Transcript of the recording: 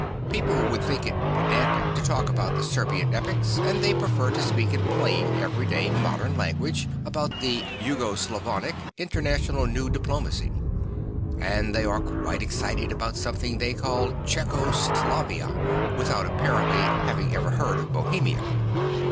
People would think it pedantic to talk about the Serbian epics and they prefer to speak in plain every day modern language about the Yugo Slavonic international new diplo macy; and they are quite excited about some thing they call Czecho Slovakia \vithout appar ently having ever heard of Bohemia.